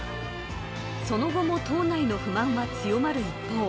その後も党内の不満は強まる一方。